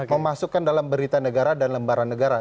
memasukkan dalam berita negara dan lembaran negara